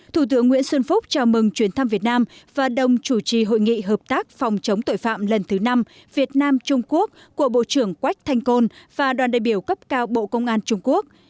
thủ tướng nguyễn xuân phúc chào mừng chuyến thăm việt nam và đồng chủ trì hội nghị hợp tác phòng chống tội phạm lần thứ năm việt nam trung quốc của bộ trưởng quách thanh côn và đoàn đại biểu cấp cao bộ công an trung quốc